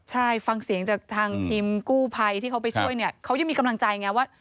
ใช่ฟังเสียงจากทางทีมกู้ภัยที่เขาไปช่วยเนี่ยเขายังมีกำลังใจไงว่า